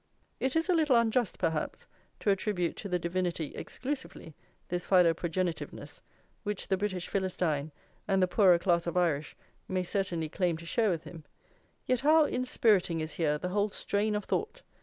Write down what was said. It is a little unjust, perhaps, to attribute to the Divinity exclusively this philoprogenitiveness, which the British Philistine, and the poorer class of Irish, may certainly claim to share with him; yet how inspiriting is here the whole strain of thought!